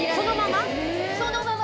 そのまま？